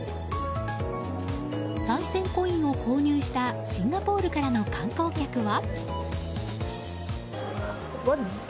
さい銭コインを購入したシンガポールからの観光客は。